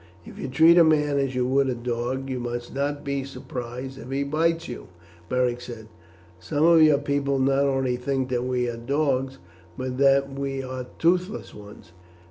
"If you treat a man as you would a dog you must not be surprised if he bites you," Beric said. "Some of your people not only think that we are dogs, but that we are toothless ones.